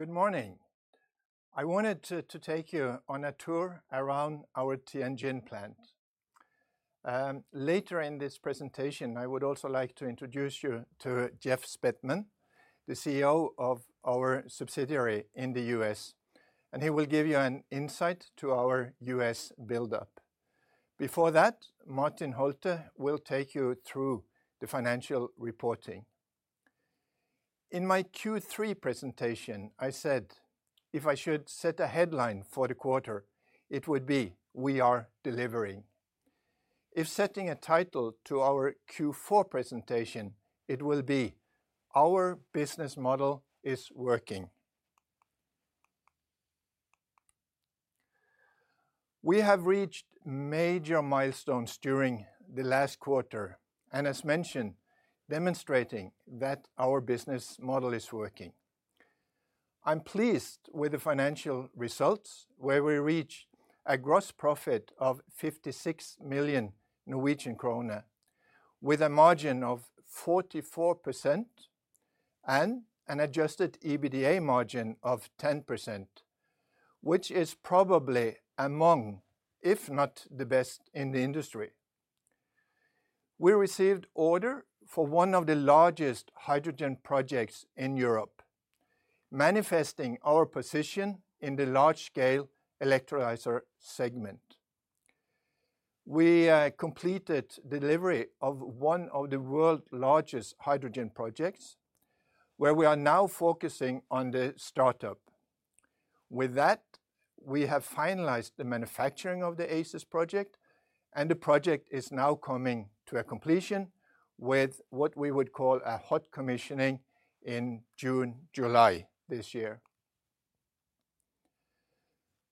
Good morning. I wanted to take you on a tour around our Tianjin plant. Later in this presentation, I would also like to introduce you to Jeff Spethmann, the CEO of our subsidiary in the U.S., and he will give you an insight into our U.S. buildup. Before that, Martin Holtet will take you through the financial reporting. In my Q3 presentation, I said if I should set a headline for the quarter, it would be "We are delivering." If setting a title to our Q4 presentation, it will be "Our business model is working." We have reached major milestones during the last quarter, and as mentioned, demonstrating that our business model is working. I'm pleased with the financial results, where we reached a gross profit of 56 million Norwegian krone, with a margin of 44% and an adjusted EBITDA margin of 10%, which is probably among, if not the best, in the industry. We received order for one of the largest hydrogen projects in Europe, manifesting our position in the large-scale electrolyzer segment. We completed delivery of one of the world's largest hydrogen projects, where we are now focusing on the startup. With that, we have finalized the manufacturing of the ACES project, and the project is now coming to a completion with what we would call a hot commissioning in June, July this year.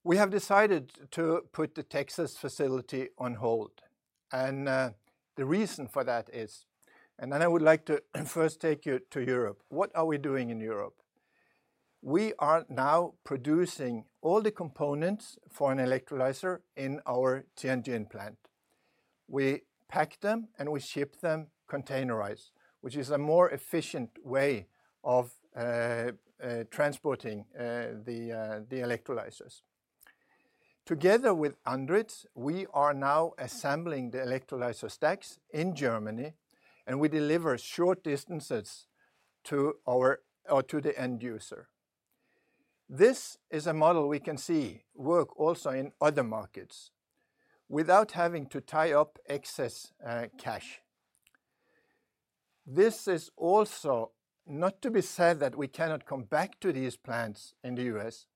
We have decided to put the Texas facility on hold, and the reason for that is, and then I would like to first take you to Europe, what are we doing in Europe? We are now producing all the components for an electrolyzer in our Tianjin plant. We pack them, and we ship them containerized, which is a more efficient way of transporting the electrolyzers. Together with Andritz, we are now assembling the electrolyzer stacks in Germany, and we deliver short distances to the end user. This is a model we can see work also in other markets, without having to tie up excess cash. This is also, not to be said that we cannot come back to these plants in the U.S.,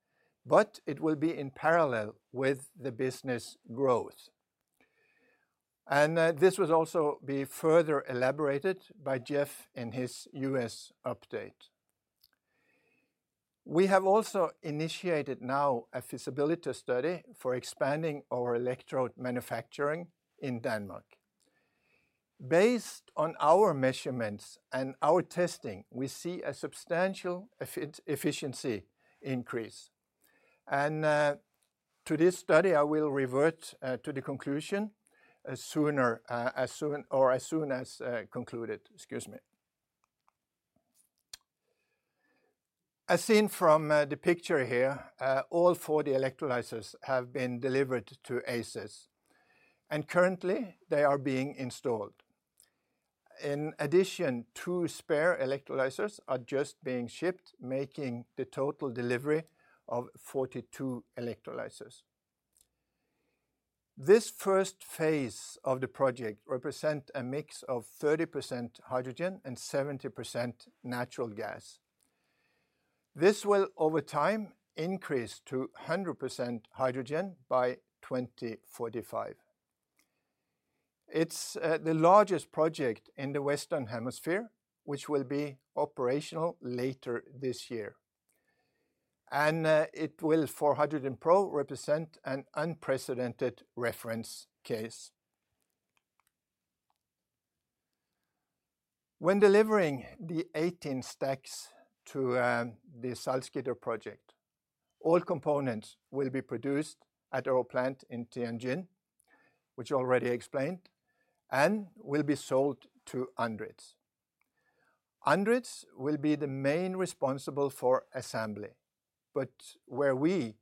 but it will be in parallel with the business growth. And this will also be further elaborated by Jeff in his U.S. update. We have also initiated now a feasibility study for expanding our electrode manufacturing in Denmark. Based on our measurements and our testing, we see a substantial efficiency increase. To this study, I will revert to the conclusion as soon as concluded. Excuse me. As seen from the picture here, all 4 the electrolyzers have been delivered to ACES, and currently they are being installed. In addition, two spare electrolyzers are just being shipped, making the total delivery of 42 electrolyzers. This first phase of the project represents a mix of 30% hydrogen and 70% natural gas. This will, over time, increase to 100% hydrogen by 2045. It's the largest project in the Western Hemisphere, which will be operational later this year. It will, for HydrogenPro, represent an unprecedented reference case. When delivering the 18 stacks to the Salzgitter project, all components will be produced at our plant in Tianjin, which I already explained, and will be sold to ANDRITZ. ANDRITZ will be the main responsible for assembly, but where we,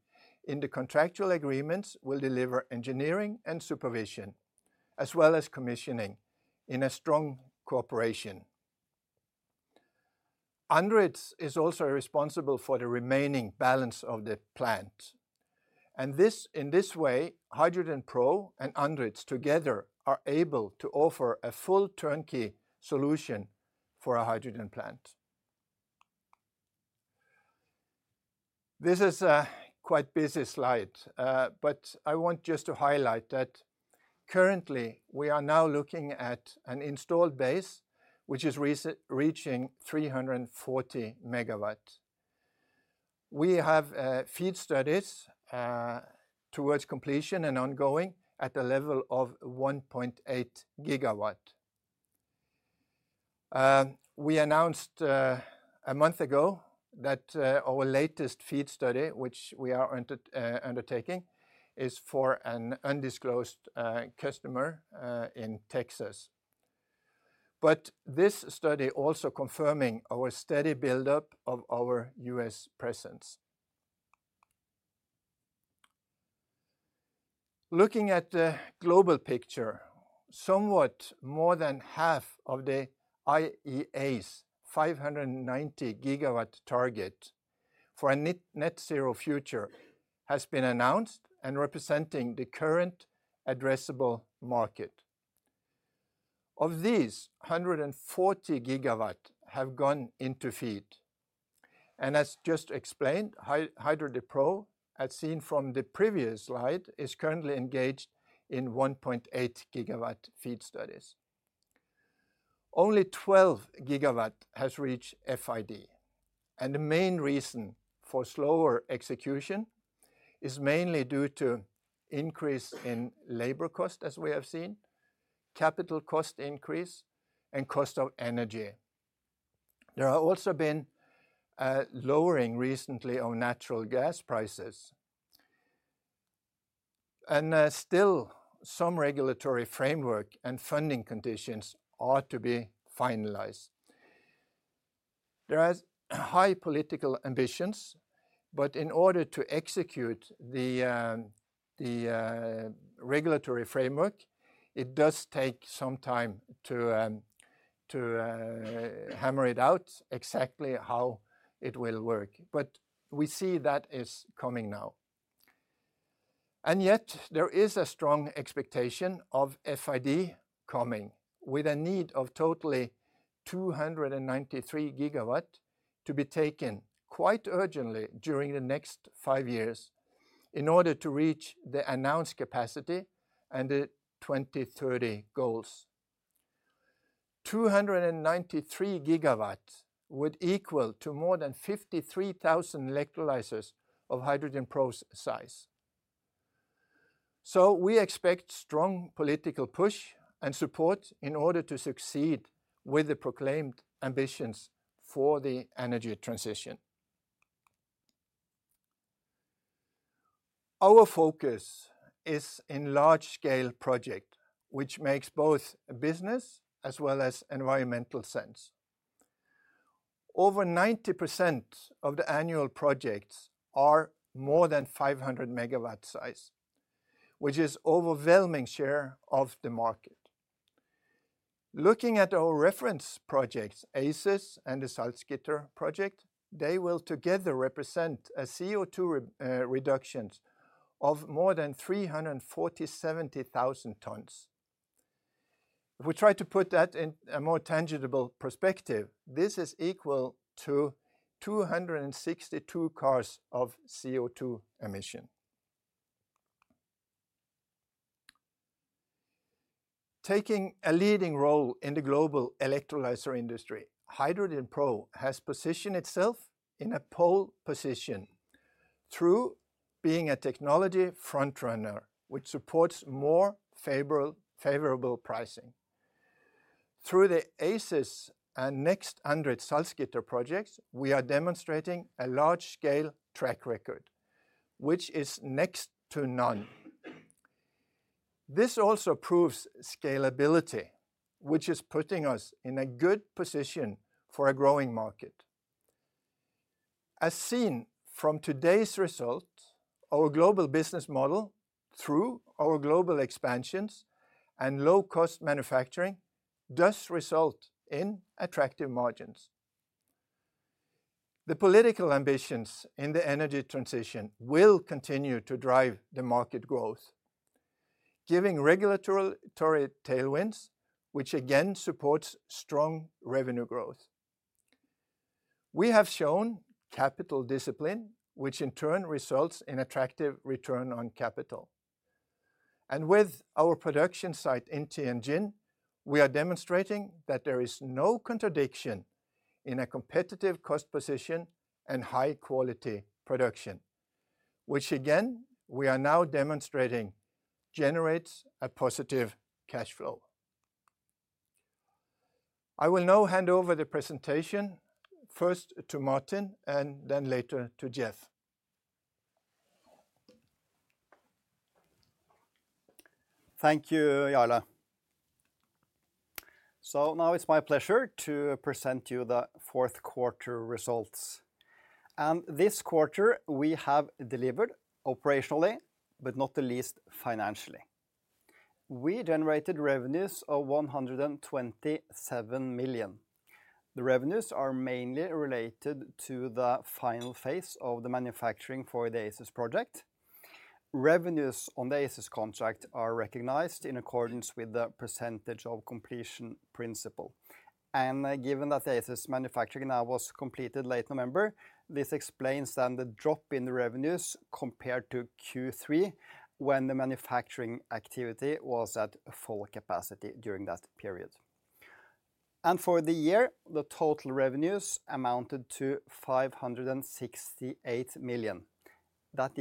in the contractual agreements, will deliver engineering and supervision, as well as commissioning, in a strong cooperation. ANDRITZ is also responsible for the remaining balance of plant. And in this way, HydrogenPro and ANDRITZ together are able to offer a full turnkey solution for a hydrogen plant. This is quite a busy slide, but I want just to highlight that currently we are now looking at an installed base, which is reaching 340 MW. We have FEED studies towards completion and ongoing at the level of 1.8 GW. We announced a month ago that our latest FEED study, which we are undertaking, is for an undisclosed customer in Texas. But this study is also confirming our steady buildup of our U.S. presence. Looking at the global picture, somewhat more than half of the IEA's 590 gigawatt target for a net-zero future has been announced and represents the current addressable market. Of these, 140 gigawatts have gone into FEED. And as just explained, HydrogenPro, as seen from the previous slide, is currently engaged in 1.8 gigawatt FEED studies. Only 12 gigawatts have reached FID. And the main reason for slower execution is mainly due to an increase in labor cost, as we have seen, capital cost increase, and cost of energy. There has also been a lowering recently of natural gas prices. And still, some regulatory framework and funding conditions are to be finalized. There are high political ambitions, but in order to execute the regulatory framework, it does take some time to hammer it out exactly how it will work. But we see that is coming now. Yet, there is a strong expectation of FID coming, with a need of totally 293 gigawatts to be taken quite urgently during the next five years in order to reach the announced capacity and the 2030 goals. 293 gigawatts would equal more than 53,000 electrolyzers of HydrogenPro's size. We expect strong political push and support in order to succeed with the proclaimed ambitions for the energy transition. Our focus is in large-scale projects, which makes both business as well as environmental sense. Over 90% of the annual projects are more than 500 megawatt size, which is an overwhelming share of the market. Looking at our reference projects, ACES and the Salzgitter project, they will together represent CO2 reductions of more than 347,000 tons. If we try to put that in a more tangible perspective, this is equal to 262 cars of CO2 emission. Taking a leading role in the global electrolyzer industry, HydrogenPro has positioned itself in a pole position through being a technology frontrunner, which supports more favorable pricing. Through the ACES and next ANDRITZ Salzgitter projects, we are demonstrating a large-scale track record, which is next to none. This also proves scalability, which is putting us in a good position for a growing market. As seen from today's result, our global business model through our global expansions and low-cost manufacturing does result in attractive margins. The political ambitions in the energy transition will continue to drive the market growth, giving regulatory tailwinds, which again support strong revenue growth. We have shown capital discipline, which in turn results in attractive return on capital. With our production site in Tianjin, we are demonstrating that there is no contradiction in a competitive cost position and high-quality production, which again we are now demonstrating generates a positive cash flow. I will now hand over the presentation first to Martin and then later to Jeff. Thank you, Jarle. So now it's my pleasure to present you the Q4 results. This quarter we have delivered operationally, but not the least financially. We generated revenues of 127 million. The revenues are mainly related to the final phase of the manufacturing for the ACES project. Revenues on the ACES contract are recognized in accordance with the percentage of completion principle. Given that the ACES manufacturing now was completed late November, this explains then the drop in the revenues compared to Q3, when the manufacturing activity was at full capacity during that period. For the year, the total revenues amounted to 568 million. That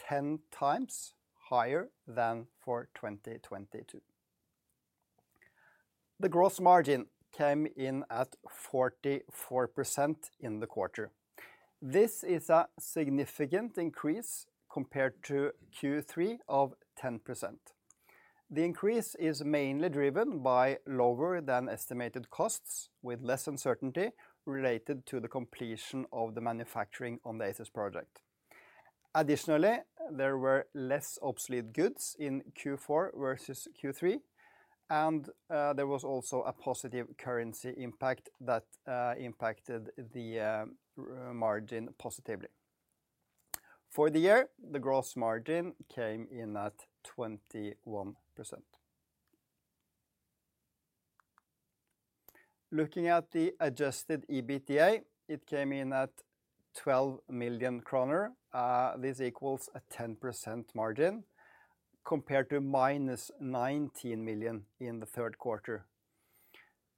is 10 times higher than for 2022. The gross margin came in at 44% in the quarter. This is a significant increase compared to Q3 of 10%. The increase is mainly driven by lower-than-estimated costs, with less uncertainty related to the completion of the manufacturing on the ACES project. Additionally, there were less obsolete goods in Q4 versus Q3, and there was also a positive currency impact that impacted the margin positively. For the year, the gross margin came in at 21%. Looking at the adjusted EBITDA, it came in at 12 million kroner. This equals a 10% margin compared to -19 million in the Q3.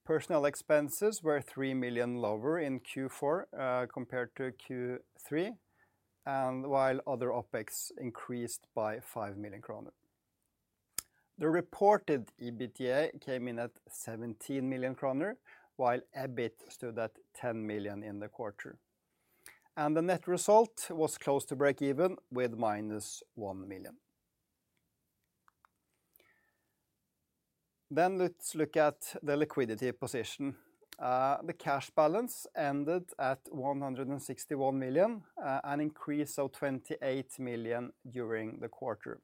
Personnel expenses were 3 million lower in Q4 compared to Q3, while other OPEX increased by 5 million kroner. The reported EBITDA came in at 17 million kroner, while EBIT stood at 10 million in the quarter. The net result was close to break-even, with -1 million. Let's look at the liquidity position. The cash balance ended at 161 million, an increase of 28 million during the quarter.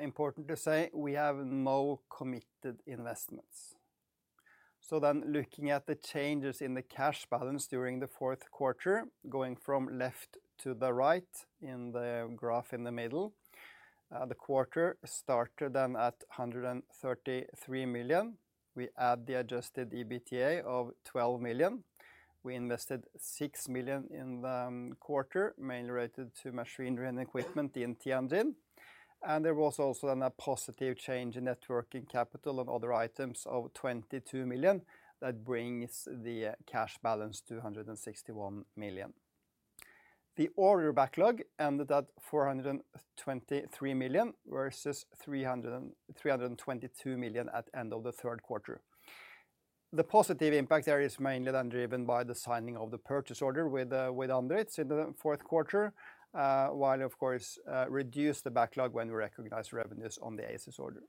Important to say, we have no committed investments. So then, looking at the changes in the cash balance during the Q4, going from left to the right in the graph in the middle, the quarter started then at 133 million. We add the adjusted EBITDA of 12 million. We invested 6 million in the quarter, mainly related to machinery and equipment in Tianjin. And there was also then a positive change in net working capital and other items of 22 million that brings the cash balance to 161 million. The order backlog ended at 423 million versus 322 million at the end of the Q3. The positive impact there is mainly then driven by the signing of the purchase order with ANDRITZ in the Q4, while, of course, reduced the backlog when we recognized revenues on the ACES order.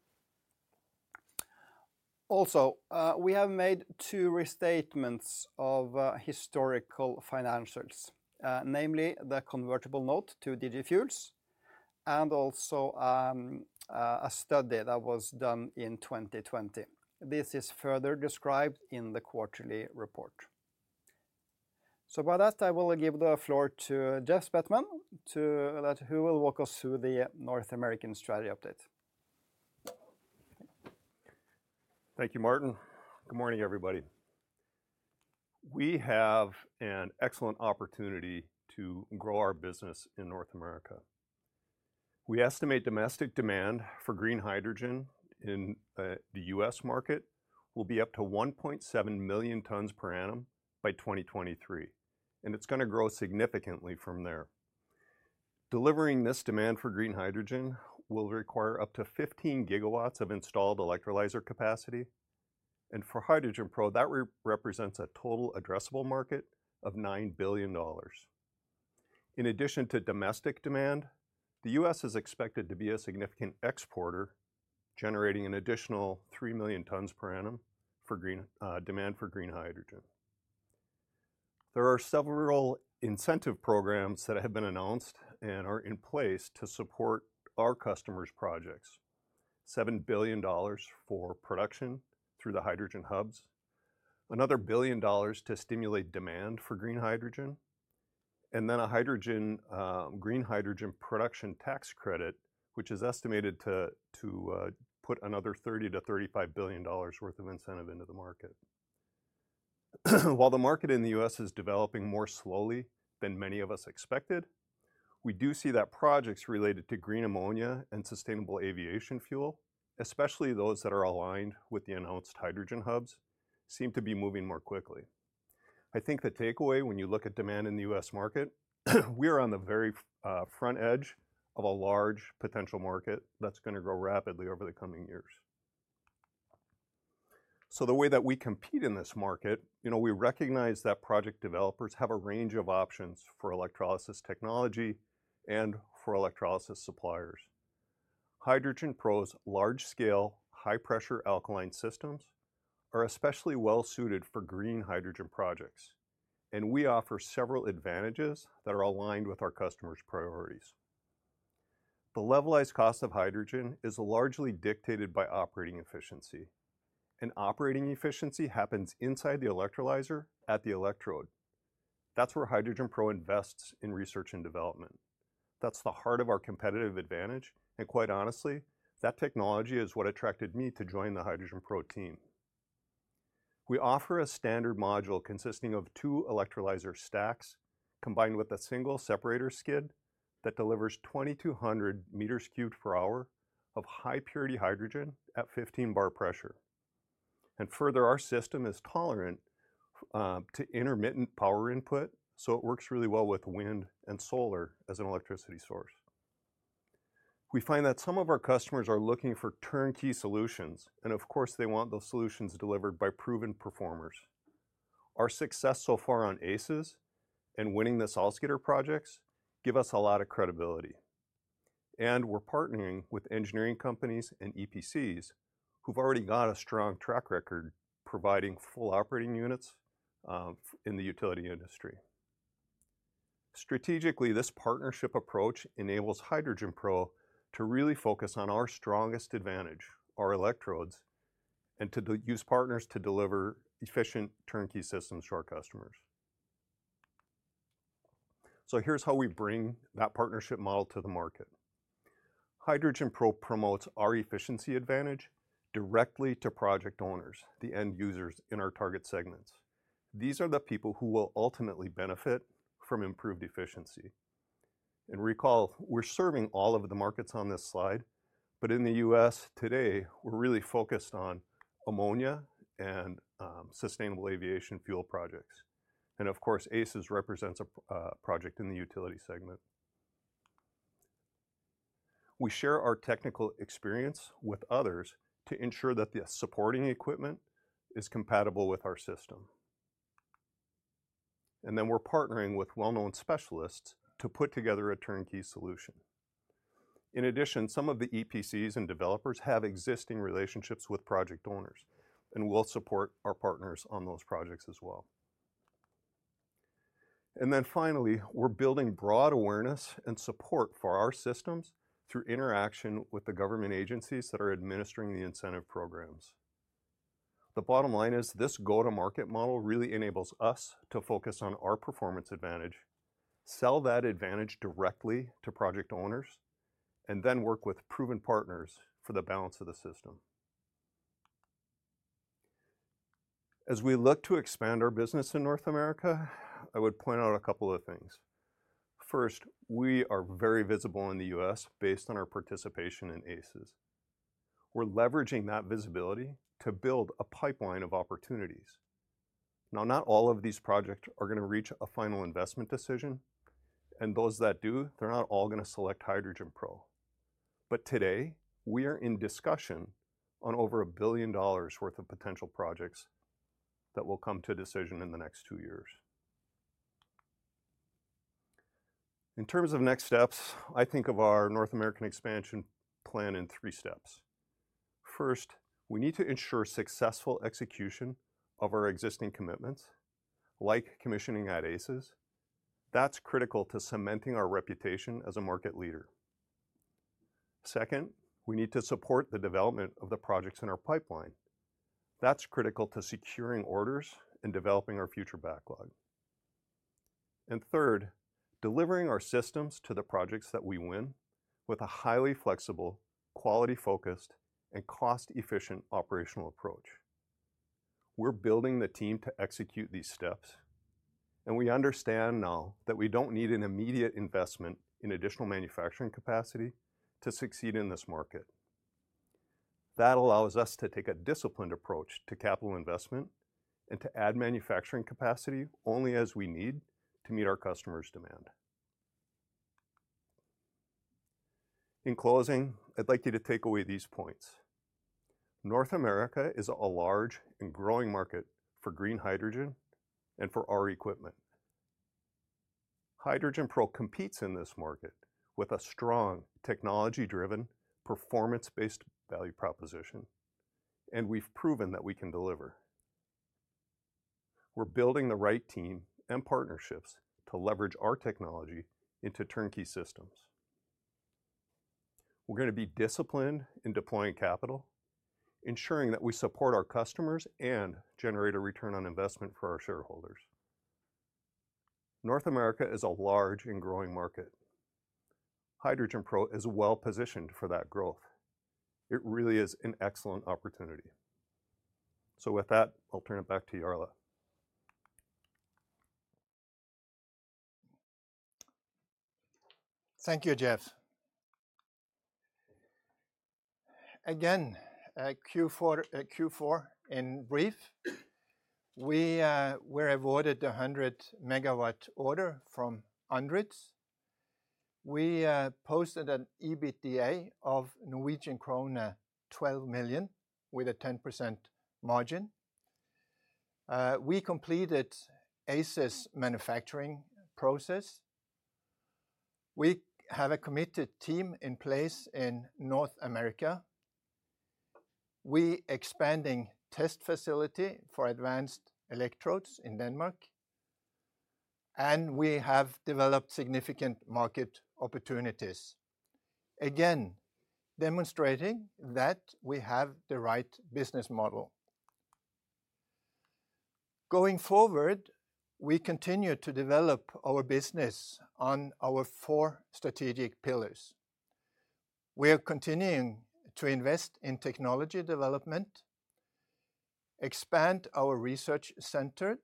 Also, we have made two restatements of historical financials, namely the convertible note to DG Fuels and also a study that was done in 2020. This is further described in the quarterly report. So by that, I will give the floor to Jeff Spethmann, who will walk us through the North American strategy update. Thank you, Martin. Good morning, everybody. We have an excellent opportunity to grow our business in North America. We estimate domestic demand for green hydrogen in the U.S. market will be up to 1.7 million tons per annum by 2023, and it's going to grow significantly from there. Delivering this demand for green hydrogen will require up to 15 GW of installed electrolyzer capacity. And for HydrogenPro, that represents a total addressable market of $9 billion. In addition to domestic demand, the U.S. is expected to be a significant exporter, generating an additional 3 million tons per annum for green demand for green hydrogen. There are several incentive programs that have been announced and are in place to support our customers' projects: $7 billion for production through the hydrogen hubs, $1 billion to stimulate demand for green hydrogen, and then a green hydrogen production tax credit, which is estimated to put another $30-$35 billion worth of incentive into the market. While the market in the U.S. is developing more slowly than many of us expected, we do see that projects related to green ammonia and sustainable aviation fuel, especially those that are aligned with the announced hydrogen hubs, seem to be moving more quickly. I think the takeaway, when you look at demand in the U.S. market, we are on the very front edge of a large potential market that's going to grow rapidly over the coming years. So the way that we compete in this market, we recognize that project developers have a range of options for electrolysis technology and for electrolysis suppliers. HydrogenPro's large-scale, high-pressure alkaline systems are especially well-suited for green hydrogen projects, and we offer several advantages that are aligned with our customers' priorities. The levelized cost of hydrogen is largely dictated by operating efficiency. And operating efficiency happens inside the electrolyzer, at the electrode. That's where HydrogenPro invests in research and development. That's the heart of our competitive advantage. And quite honestly, that technology is what attracted me to join the HydrogenPro team. We offer a standard module consisting of two electrolyzer stacks combined with a single separator skid that delivers 2,200 meters cubed per hour of high-purity hydrogen at 15 bar pressure. Further, our system is tolerant to intermittent power input, so it works really well with wind and solar as an electricity source. We find that some of our customers are looking for turnkey solutions, and of course, they want those solutions delivered by proven performers. Our success so far on ACES and winning the Salzgitter projects gives us a lot of credibility. And we're partnering with engineering companies and EPCs who've already got a strong track record providing full operating units in the utility industry. Strategically, this partnership approach enables HydrogenPro to really focus on our strongest advantage, our electrodes, and to use partners to deliver efficient turnkey systems to our customers. So here's how we bring that partnership model to the market. HydrogenPro promotes our efficiency advantage directly to project owners, the end users in our target segments. These are the people who will ultimately benefit from improved efficiency. Recall, we're serving all of the markets on this slide, but in the U.S. today, we're really focused on ammonia and sustainable aviation fuel projects. Of course, ACES represents a project in the utility segment. We share our technical experience with others to ensure that the supporting equipment is compatible with our system. Then we're partnering with well-known specialists to put together a turnkey solution. In addition, some of the EPCs and developers have existing relationships with project owners, and we'll support our partners on those projects as well. Then finally, we're building broad awareness and support for our systems through interaction with the government agencies that are administering the incentive programs. The bottom line is this go-to-market model really enables us to focus on our performance advantage, sell that advantage directly to project owners, and then work with proven partners for the balance of the system. As we look to expand our business in North America, I would point out a couple of things. First, we are very visible in the U.S. based on our participation in ACES. We're leveraging that visibility to build a pipeline of opportunities. Now, not all of these projects are going to reach a final investment decision. And those that do, they're not all going to select HydrogenPro. But today, we are in discussion on over $1 billion worth of potential projects that will come to decision in the next two years. In terms of next steps, I think of our North American expansion plan in three steps. First, we need to ensure successful execution of our existing commitments, like commissioning at ACES. That's critical to cementing our reputation as a market leader. Second, we need to support the development of the projects in our pipeline. That's critical to securing orders and developing our future backlog. And third, delivering our systems to the projects that we win with a highly flexible, quality-focused, and cost-efficient operational approach. We're building the team to execute these steps, and we understand now that we don't need an immediate investment in additional manufacturing capacity to succeed in this market. That allows us to take a disciplined approach to capital investment and to add manufacturing capacity only as we need to meet our customers' demand. In closing, I'd like you to take away these points. North America is a large and growing market for green hydrogen and for our equipment. HydrogenPro competes in this market with a strong, technology-driven, performance-based value proposition, and we've proven that we can deliver. We're building the right team and partnerships to leverage our technology into turnkey systems. We're going to be disciplined in deploying capital, ensuring that we support our customers and generate a return on investment for our shareholders. North America is a large and growing market. HydrogenPro is well-positioned for that growth. It really is an excellent opportunity. So with that, I'll turn it back to Jarle. Thank you, Jeff. Again, Q4 in brief. We were awarded the 100-MW order from Andritz. We posted an EBITDA of Norwegian krone 12 million with a 10% margin. We completed ACES manufacturing process. We have a committed team in place in North America. We are expanding the test facility for advanced electrodes in Denmark. We have developed significant market opportunities, again demonstrating that we have the right business model. Going forward, we continue to develop our business on our four strategic pillars. We are continuing to invest in technology development, expand our research center.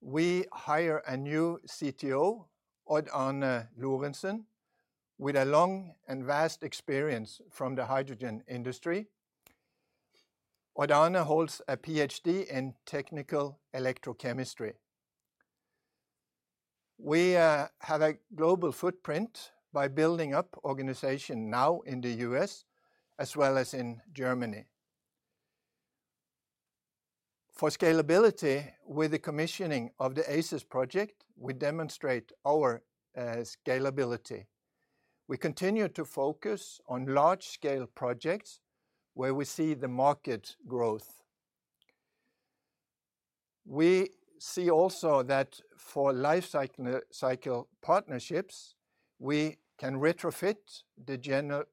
We hire a new CTO, Odd-Arne Lorentsen, with a long and vast experience from the hydrogen industry. Odd-Arne holds a PhD in technical electrochemistry. We have a global footprint by building up the organization now in the U.S. as well as in Germany. For scalability, with the commissioning of the ACES project, we demonstrate our scalability. We continue to focus on large-scale projects where we see the market growth. We see also that for life cycle partnerships, we can retrofit the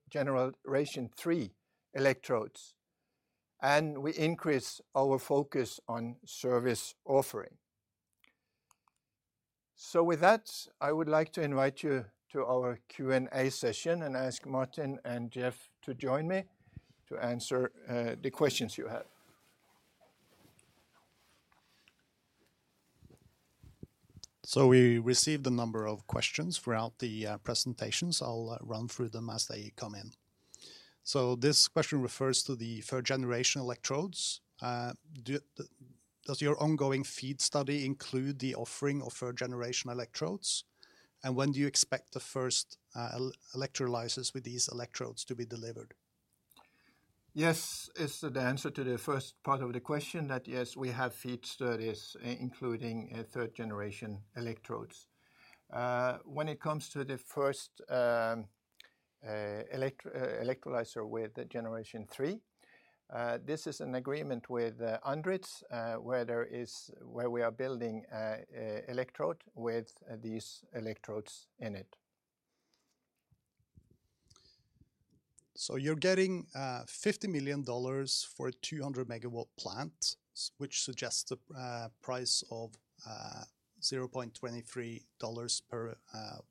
Generation 3 electrodes, and we increase our focus on service offering. So with that, I would like to invite you to our Q&A session and ask Martin and Jeff to join me to answer the questions you have. We received a number of questions throughout the presentations. I'll run through them as they come in. This question refers to the third-generation electrodes. Does your ongoing FEED study include the offering of third-generation electrodes? And when do you expect the first electrolyzers with these electrodes to be delivered? Yes, it's the answer to the first part of the question, that yes, we have FEED studies including third-generation electrodes. When it comes to the first electrolyzer with Generation 3, this is an agreement with ANDRITZ where we are building an electrode with these electrodes in it. So you're getting $50 million for a 200-MW plant, which suggests a price of $0.23 per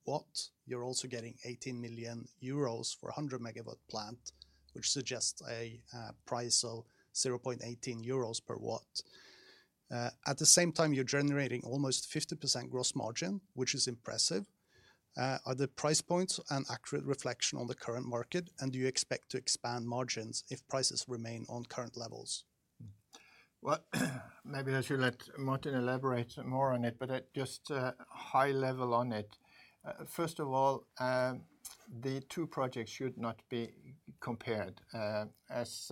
W. You're also getting 18 million euros for a 100-MW plant, which suggests a price of 0.18 euros per W. At the same time, you're generating almost 50% gross margin, which is impressive. Are the price points an accurate reflection on the current market? And do you expect to expand margins if prices remain on current levels? Well, maybe I should let Martin elaborate more on it, but just high level on it. First of all, the two projects should not be compared. As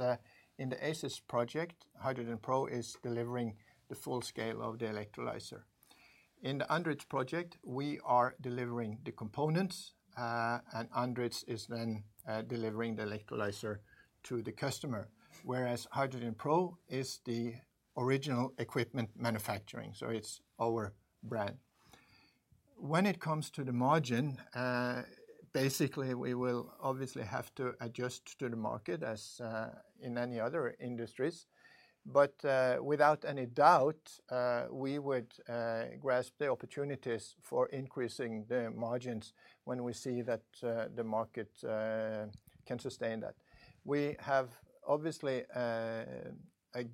in the ACES project, HydrogenPro is delivering the full scale of the electrolyzer. In the ANDRITZ project, we are delivering the components, and ANDRITZ is then delivering the electrolyzer to the customer, whereas HydrogenPro is the original equipment manufacturing. So it's our brand. When it comes to the margin, basically, we will obviously have to adjust to the market as in any other industries. But without any doubt, we would grasp the opportunities for increasing the margins when we see that the market can sustain that. We have obviously a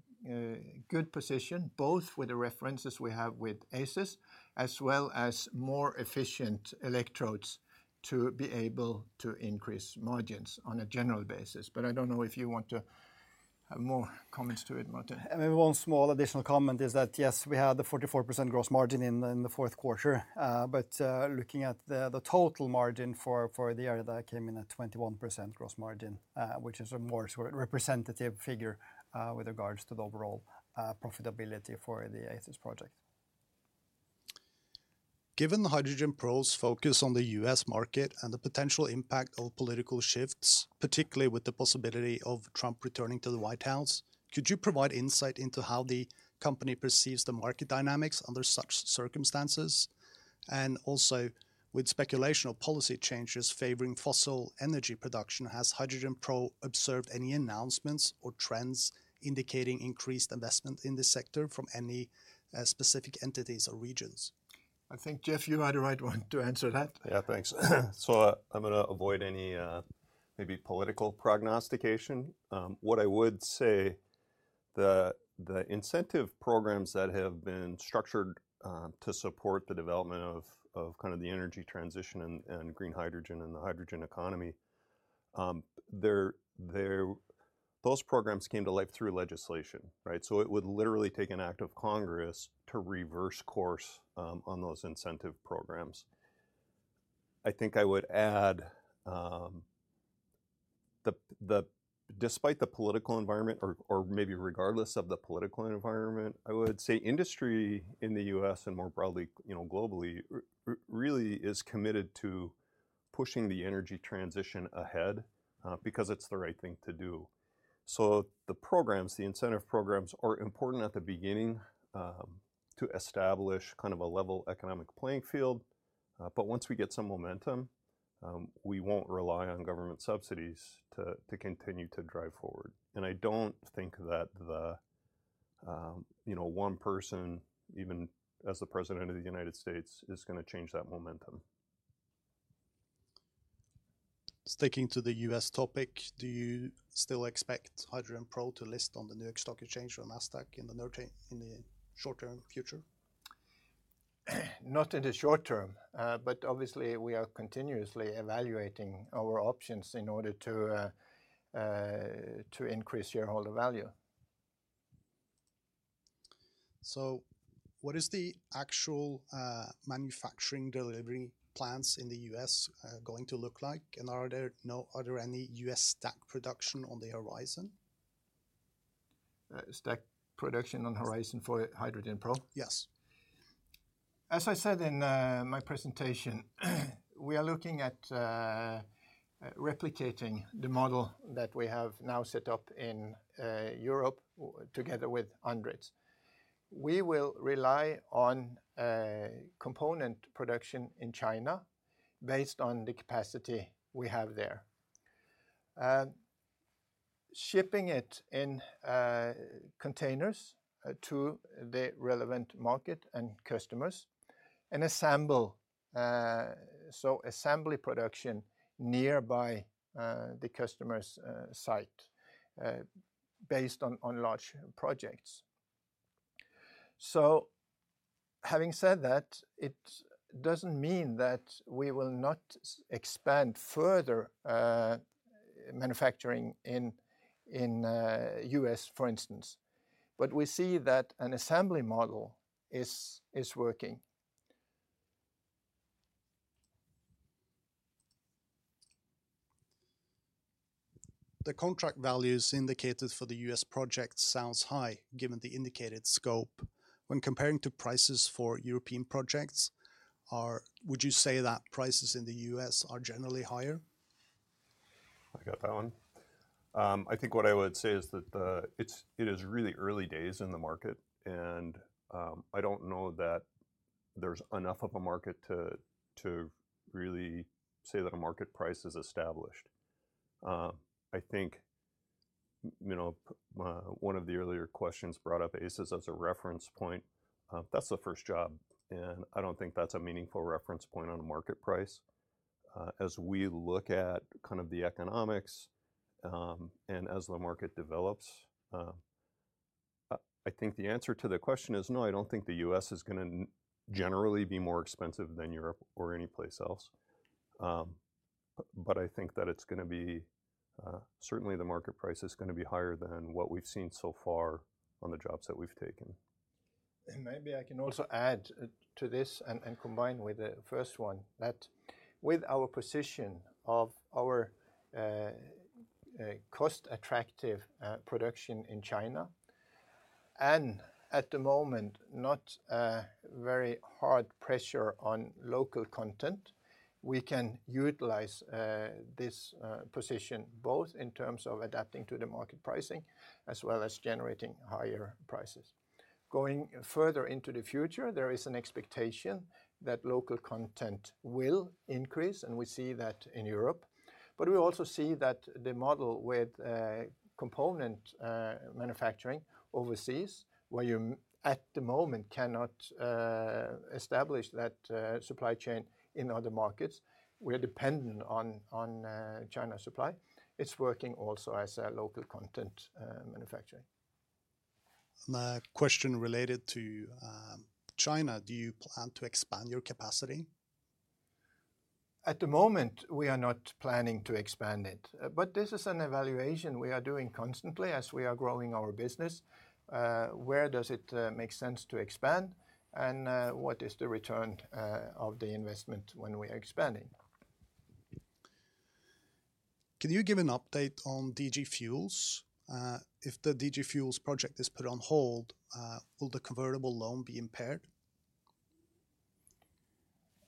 good position both with the references we have with ACES as well as more efficient electrodes to be able to increase margins on a general basis. I don't know if you want to have more comments to it, Martin. Maybe one small additional comment is that yes, we had the 44% gross margin in the fourth quarter. But looking at the total margin for the year, that came in at 21% gross margin, which is a more representative figure with regards to the overall profitability for the ACES project. Given HydrogenPro's focus on the U.S. market and the potential impact of political shifts, particularly with the possibility of Trump returning to the White House, could you provide insight into how the company perceives the market dynamics under such circumstances? Also, with speculation of policy changes favoring fossil energy production, has HydrogenPro observed any announcements or trends indicating increased investment in this sector from any specific entities or regions? I think, Jeff, you had the right one to answer that. Yeah, thanks. So I'm going to avoid any maybe political prognostication. What I would say, the incentive programs that have been structured to support the development of kind of the energy transition and green hydrogen and the hydrogen economy, those programs came to life through legislation, right? So it would literally take an act of Congress to reverse course on those incentive programs. I think I would add, despite the political environment or maybe regardless of the political environment, I would say industry in the U.S. and more broadly, globally, really is committed to pushing the energy transition ahead because it's the right thing to do. So the programs, the incentive programs are important at the beginning to establish kind of a level economic playing field. But once we get some momentum, we won't rely on government subsidies to continue to drive forward. I don't think that one person, even as the President of the United States, is going to change that momentum. Sticking to the U.S. topic, do you still expect HydrogenPro to list on the New York Stock Exchange or NASDAQ in the short-term future? Not in the short term. But obviously, we are continuously evaluating our options in order to increase shareholder value. So what is the actual manufacturing delivery plants in the U.S. going to look like? And are there any U.S. stack production on the horizon? Stack production on the horizon for HydrogenPro? Yes. As I said in my presentation, we are looking at replicating the model that we have now set up in Europe together with ANDRITZ. We will rely on component production in China based on the capacity we have there, shipping it in containers to the relevant market and customers, and assemble production nearby the customer's site based on large projects. So having said that, it doesn't mean that we will not expand further manufacturing in the U.S., for instance. But we see that an assembly model is working. The contract values indicated for the U.S. projects sound high given the indicated scope. When comparing to prices for European projects, would you say that prices in the U.S. are generally higher? I got that one. I think what I would say is that it is really early days in the market. I don't know that there's enough of a market to really say that a market price is established. I think one of the earlier questions brought up ACES as a reference point, that's the first job. I don't think that's a meaningful reference point on a market price. As we look at kind of the economics and as the market develops, I think the answer to the question is, no, I don't think the U.S. is going to generally be more expensive than Europe or anyplace else. I think that it's going to be certainly, the market price is going to be higher than what we've seen so far on the jobs that we've taken. Maybe I can also add to this and combine with the first one, that with our position of our cost-attractive production in China and at the moment not very hard pressure on local content, we can utilize this position both in terms of adapting to the market pricing as well as generating higher prices. Going further into the future, there is an expectation that local content will increase. And we see that in Europe. But we also see that the model with component manufacturing overseas, where you at the moment cannot establish that supply chain in other markets, we are dependent on China supply. It's working also as a local content manufacturing. A question related to China. Do you plan to expand your capacity? At the moment, we are not planning to expand it. But this is an evaluation we are doing constantly as we are growing our business. Where does it make sense to expand? And what is the return of the investment when we are expanding? Can you give an update on DG Fuels? If the DG Fuels project is put on hold, will the convertible loan be impaired?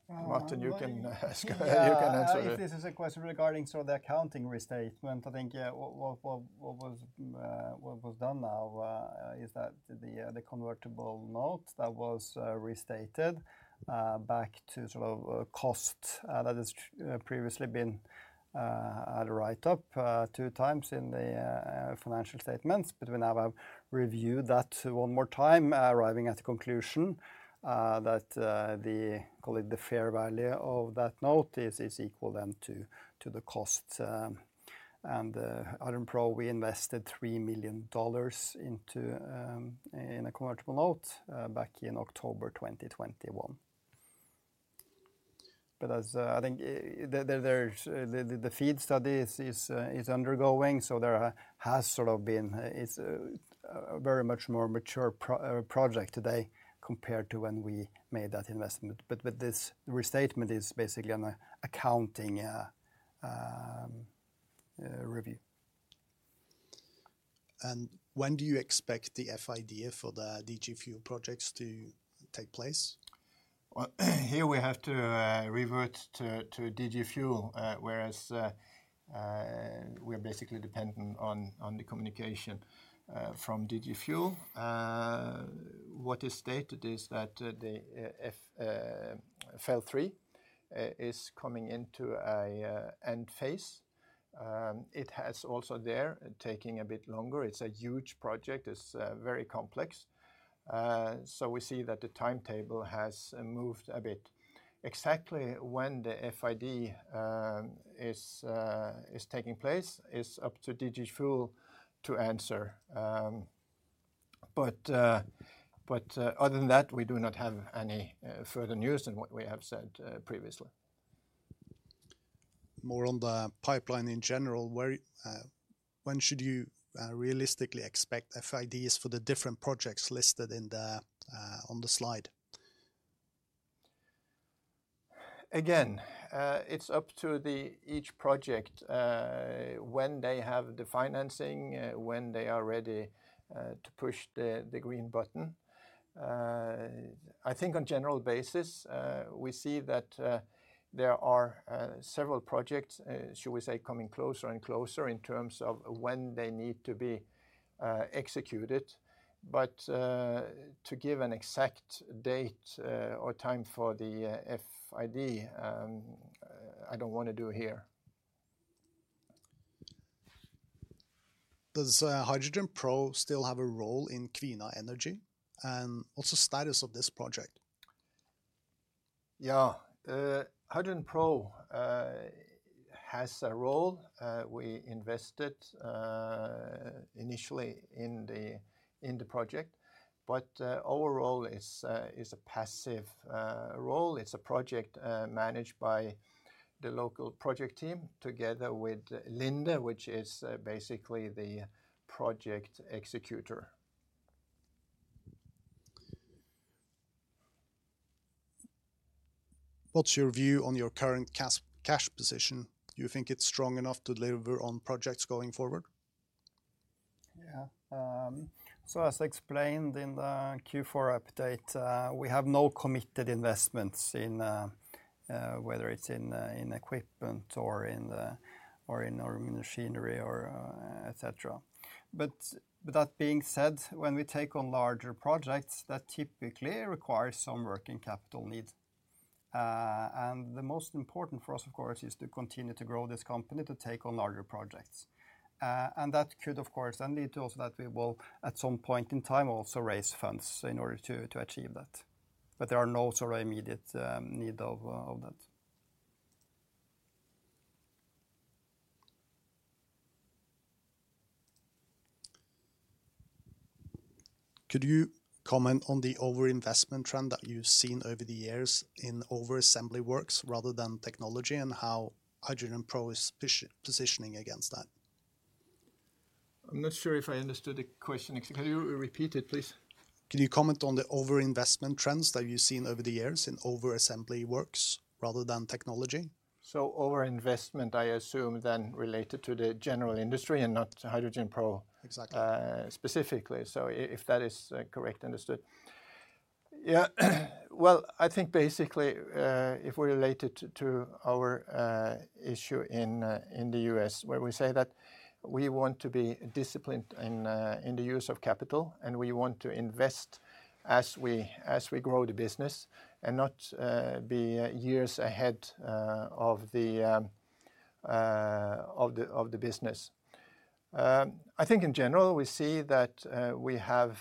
Martin, you can answer it. If this is a question regarding sort of the accounting restatement, I think what was done now is that the convertible note that was restated back to sort of cost that has previously been at a write-up two times in the financial statements. But we now have reviewed that one more time, arriving at the conclusion that the fair value of that note is equal then to the cost. And HydrogenPro, we invested $3 million into a convertible note back in October 2021. But I think the FEED study is undergoing. So there has sort of been it's a very much more mature project today compared to when we made that investment. But this restatement is basically an accounting review. When do you expect the FID for the DG Fuels projects to take place? Well, here we have to revert to DG Fuels, whereas we are basically dependent on the communication from DG Fuels. What is stated is that the FEL-3 is coming into an end phase. It has also there taking a bit longer. It's a huge project. It's very complex. So we see that the timetable has moved a bit. Exactly when the FID is taking place is up to DG Fuels to answer. But other than that, we do not have any further news than what we have said previously. More on the pipeline in general. When should you realistically expect FIDs for the different projects listed on the slide? Again, it's up to each project when they have the financing, when they are ready to push the green button. I think on a general basis, we see that there are several projects, should we say, coming closer and closer in terms of when they need to be executed. But to give an exact date or time for the FID, I don't want to do here. Does HydrogenPro still have a role in Kvina Energy? And what's the status of this project? Yeah. HydrogenPro has a role. We invested initially in the project. But our role is a passive role. It's a project managed by the local project team together with Linde, which is basically the project executor. What's your view on your current cash position? Do you think it's strong enough to deliver on projects going forward? Yeah. So as explained in the Q4 update, we have no committed investments in whether it's in equipment or in machinery, etc. But that being said, when we take on larger projects, that typically requires some working capital need. And the most important for us, of course, is to continue to grow this company, to take on larger projects. And that could, of course, then lead to also that we will at some point in time also raise funds in order to achieve that. But there are no sort of immediate needs of that. Could you comment on the overinvestment trend that you've seen over the years in overassembly works rather than technology and how HydrogenPro is positioning against that? I'm not sure if I understood the question. Can you repeat it, please? Can you comment on the overinvestment trends that you've seen over the years in overassembly works rather than technology? Overinvestment, I assume, then related to the general industry and not HydrogenPro specifically. If that is correctly understood? Yeah. Well, I think basically, if we relate it to our issue in the U.S., where we say that we want to be disciplined in the use of capital, and we want to invest as we grow the business and not be years ahead of the business. I think in general, we see that we have,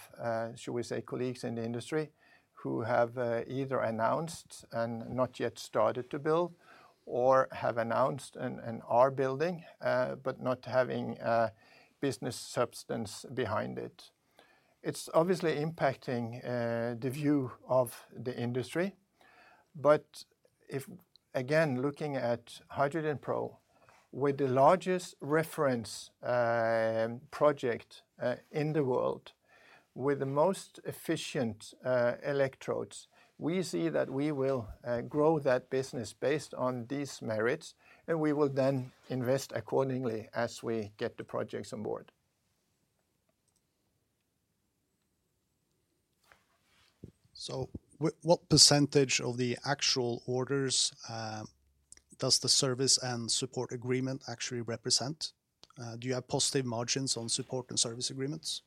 should we say, colleagues in the industry who have either announced and not yet started to build or have announced and are building but not having business substance behind it. It's obviously impacting the view of the industry. But if, again, looking at HydrogenPro, with the largest reference project in the world with the most efficient electrodes, we see that we will grow that business based on these merits. And we will then invest accordingly as we get the projects on board. What percentage of the actual orders does the service and support agreement actually represent? Do you have positive margins on support and service agreements?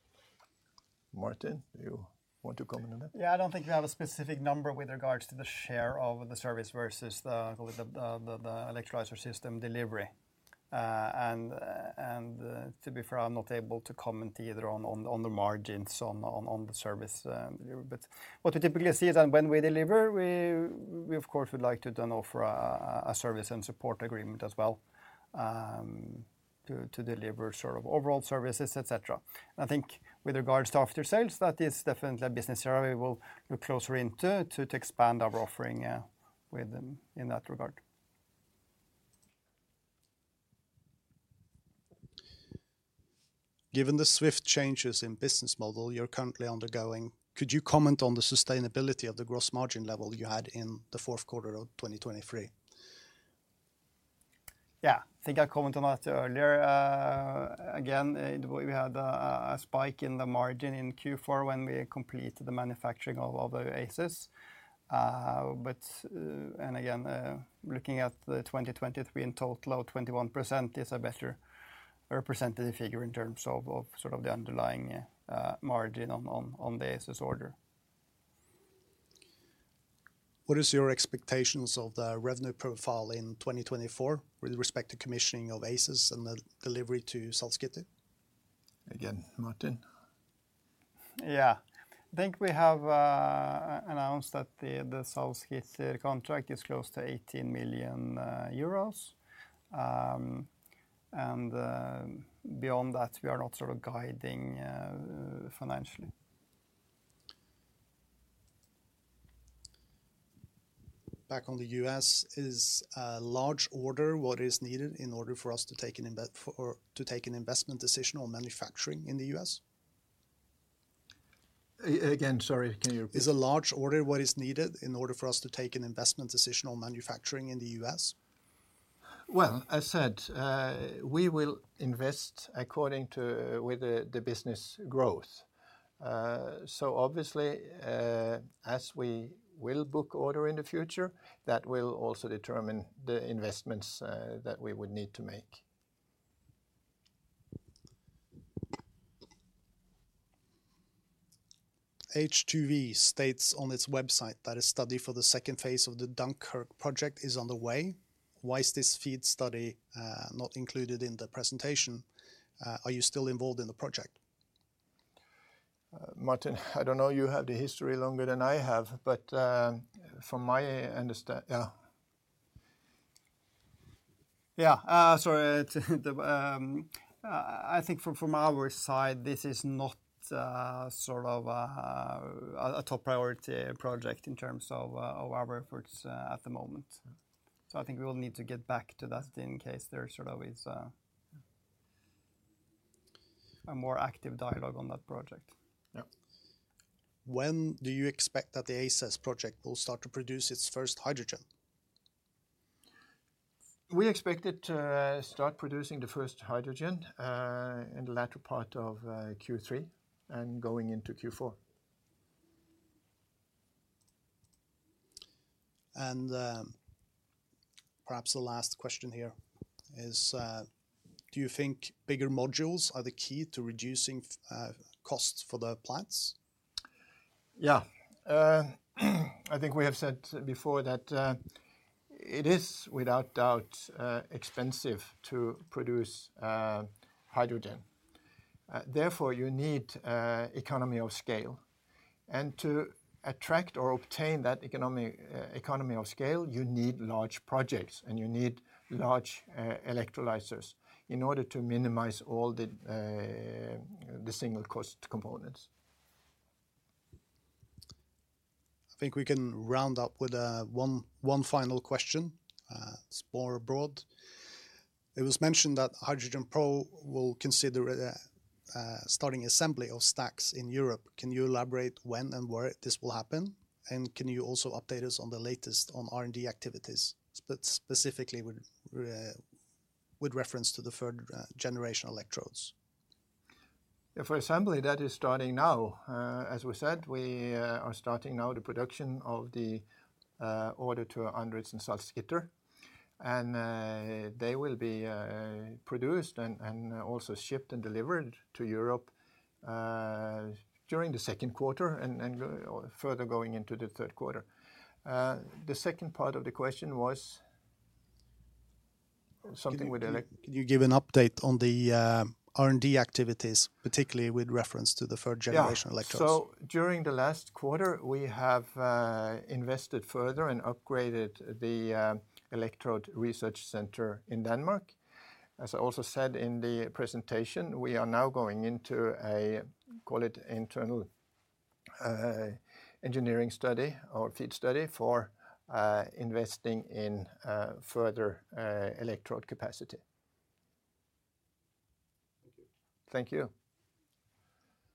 Martin, do you want to comment on that? Yeah. I don't think we have a specific number with regards to the share of the service versus the electrolyzer system delivery. To be fair, I'm not able to comment either on the margins on the service delivery. What we typically see is that when we deliver, we, of course, would like to then offer a service and support agreement as well to deliver sort of overall services, etc. I think with regards to after sales, that is definitely a business area we will look closer into to expand our offering in that regard. Given the swift changes in business model you're currently undergoing, could you comment on the sustainability of the gross margin level you had in the Q4 of 2023? Yeah. I think I commented on that earlier. Again, we had a spike in the margin in Q4 when we completed the manufacturing of ACES. And again, looking at 2023 in total, 21% is a better representative figure in terms of sort of the underlying margin on the ACES order. What is your expectations of the revenue profile in 2024 with respect to commissioning of ACES and the delivery to Salzgitter? Again, Martin? Yeah. I think we have announced that the Salzgitter contract is close to 18 million euros. Beyond that, we are not sort of guiding financially. Back on the U.S., is a large order what is needed in order for us to take an investment decision on manufacturing in the U.S.? Again, sorry. Can you repeat? Is a large order what is needed in order for us to take an investment decision on manufacturing in the U.S.? Well, as said, we will invest according to the business growth. So obviously, as we will book order in the future, that will also determine the investments that we would need to make. H2V states on its website that a study for the second phase of the Dunkirk project is on the way. Why is this FEED study not included in the presentation? Are you still involved in the project? Martin, I don't know. You have the history longer than I have. But from my yeah. Yeah. Sorry. I think from our side, this is not sort of a top priority project in terms of our efforts at the moment. So I think we will need to get back to that in case there sort of is a more active dialogue on that project. Yeah. When do you expect that the ACES project will start to produce its first hydrogen? We expect it to start producing the first hydrogen in the latter part of Q3 and going into Q4. Perhaps the last question here is, do you think bigger modules are the key to reducing costs for the plants? Yeah. I think we have said before that it is without doubt expensive to produce hydrogen. Therefore, you need economy of scale. And to attract or obtain that economy of scale, you need large projects. And you need large electrolyzers in order to minimize all the single-cost components. I think we can round up with one final question. It's more broad. It was mentioned that HydrogenPro will consider starting assembly of stacks in Europe. Can you elaborate when and where this will happen? And can you also update us on the latest on R&D activities, specifically with reference to the third-generation electrodes? Yeah. For assembly, that is starting now. As we said, we are starting now the production of the order to ANDRITZ and Salzgitter. And they will be produced and also shipped and delivered to Europe during the Q2 and further going into the Q3. The second part of the question was something with. Can you give an update on the R&D activities, particularly with reference to the third-generation electrodes? Yeah. So during the last quarter, we have invested further and upgraded the electrode research center in Denmark. As I also said in the presentation, we are now going into a call it internal engineering study or FEED study for investing in further electrode capacity. Thank you. Thank you.